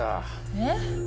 えっ？